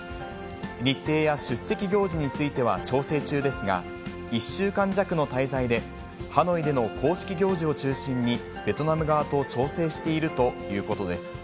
日程や出席行事については調整中ですが、１週間弱の滞在で、ハノイでの公式行事を中心にベトナム側と調整しているということです。